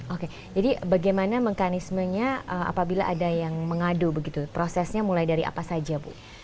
oke jadi bagaimana mekanismenya apabila ada yang mengadu begitu prosesnya mulai dari apa saja bu